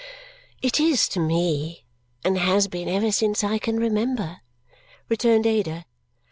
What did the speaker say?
"It is to me, and has been ever since I can remember," returned Ada.